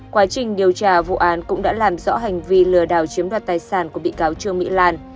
quá trình điều tra vụ án cũng đã làm rõ hành vi lừa đảo chiếm đoạt tài sản của bị cáo trương mỹ lan